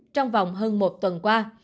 trong vòng hơn một tuần qua